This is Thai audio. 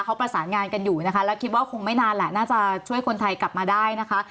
เขาประสานงานกันอยู่นะคะแล้วคิดว่าคงไม่นานแหละน่าจะช่วยคนไทยกลับมาได้นะคะ